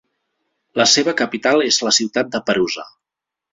La seva capital és la ciutat de Perusa.